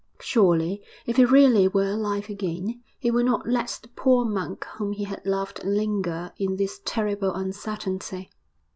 Surely, if he really were alive again, he would not let the poor monk whom he had loved linger in this terrible uncertainty.